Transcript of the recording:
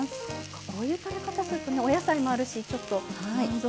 こういう食べ方するとねお野菜もあるしちょっと満足度も高くなりますね。